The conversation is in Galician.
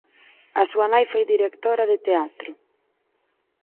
A súa nai foi directora de teatro.